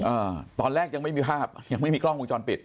อ่าตอนแรกยังไม่มีภาพยังไม่มีกล้องวงจรปิด